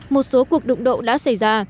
một số cuộc đụng độ đã xảy ra